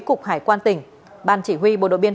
cục hải quan tỉnh ban chỉ huy bộ đội biên